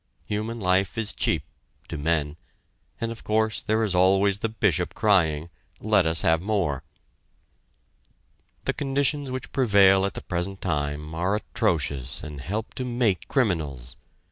Human life is cheap to men and of course there is always the Bishop crying: "Let us have more." The conditions which prevail at the present time are atrocious and help to make criminals.